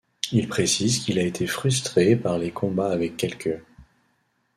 Il précise qu'il a été frustré par les combats avec quelques '.